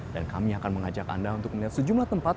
dan kami akan mengajak anda untuk melihat sejumlah tempat